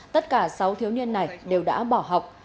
tất cả sáu thiếu niên này đều đã bỏ học